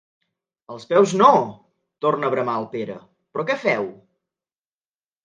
Els peus no! —torna a bramar el Pere— Però què feu?